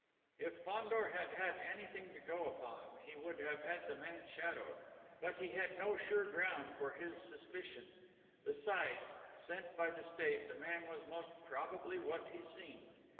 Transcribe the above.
If Fandor had had anything to go upon, he would have had the man shadowed. But he had no sure ground for his suspicions; besides, sent by the State, the man was most probably what he seemed.